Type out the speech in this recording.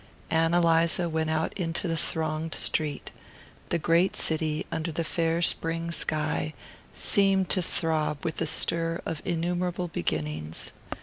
Ann Eliza went out into the thronged street. The great city, under the fair spring sky, seemed to throb with the stir of innumerable beginnings.